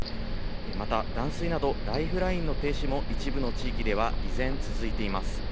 また、断水など、ライフラインの停止も一部の地域では依然、続いています。